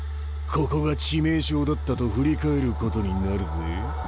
ここが致命傷だったと振り返ることになるぜ。